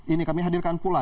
ini kami hadirkan pula